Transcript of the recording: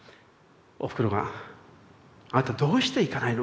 おふくろが「あなたどうして行かないの？